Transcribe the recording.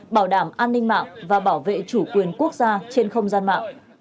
bảo đảm an ninh mạng và bảo vệ chủ quyền quốc gia trên không gian mạng